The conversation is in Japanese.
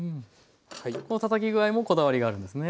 このたたき具合もこだわりがあるんですね。